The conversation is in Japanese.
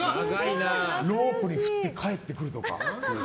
ロープに行って帰ってくるとか。